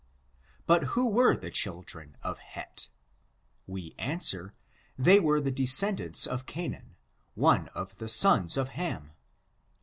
But who were the children of Hetlif We answer, they w^ere the descendants of Canaan, one of the sons of Ham.